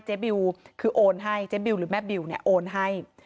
บิวคือโอนให้เจ๊บิวหรือแม่บิวเนี่ยโอนให้